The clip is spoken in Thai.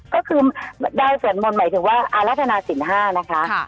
ก็คือดาวสวดมนต์หมายถึงว่าอารัฐนาศิลป๕นะคะ